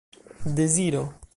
deziro